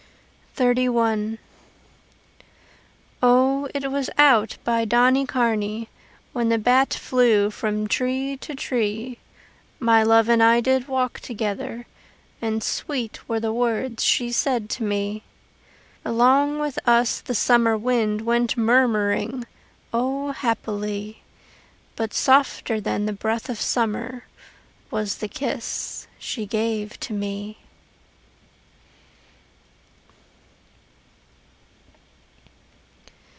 XXXI O, it was out by Donnycarney When the bat flew from tree to tree My love and I did walk together; And sweet were the words she said to me. Along with us the summer wind Went murmuring O, happily! But softer than the breath of summer Was the kiss she gave to me.